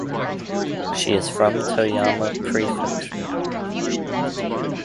She is from Toyama Prefecture.